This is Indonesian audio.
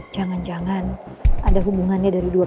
jangan jangan ada hubungannya dari dua